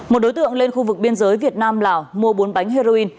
một đối tượng lên khu vực biên giới việt nam lào mua bốn bánh heroin